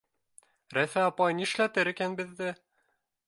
— Рәйфә апай нишләтер икән беҙҙе?!